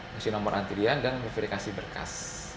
ngasih nomor antrian dan verifikasi berkas